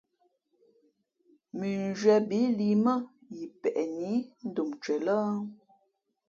Mʉnzhwē bií lǐ mά yi peʼ nǐ ndom ncwen lά ?